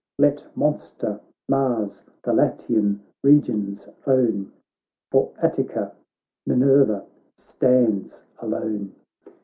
Let monster Mars the Latian regions own, For Attica, Minerva stands alone.'